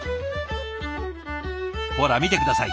ほら見て下さい。